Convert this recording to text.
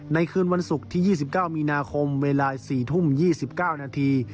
คืนวันศุกร์ที่๒๙มีนาคมเวลา๔ทุ่ม๒๙นาที